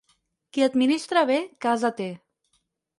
Qui administra bé, casa té.